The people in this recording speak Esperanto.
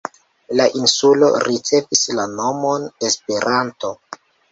La insulo ricevis la nomon "Esperanto".